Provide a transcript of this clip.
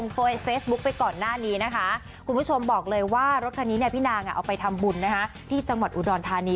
คุณผู้ชมบอกเลยว่ารถคันนี้พี่นางเอาไปทำบุญที่จังหวัดอุดรธานี